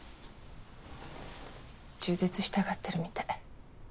中絶したがってるみたい。